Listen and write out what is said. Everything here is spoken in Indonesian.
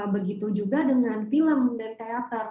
begitu juga dengan film dan teater